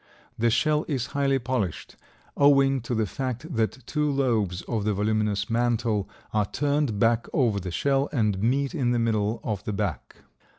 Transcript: The shell is highly polished, owing to the fact that two lobes of the voluminous mantle are turned back over the shell and meet in the middle of the back.